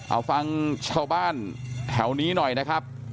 เอาฟังชาวบ้านแถวนี้หน่อยนะครับ